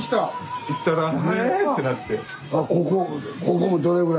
行ったら「え⁉」ってなって。